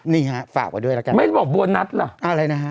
นี่ฮะฝากไว้ด้วยแล้วกันไม่บอกโบนัสล่ะอะไรนะฮะ